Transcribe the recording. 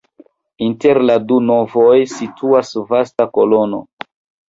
Inter la du navoj situas vasta kolono.